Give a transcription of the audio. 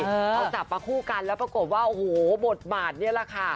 เขาจับมาคู่กันแล้วปรากฏว่าโอ้โหบทบาทนี่แหละค่ะ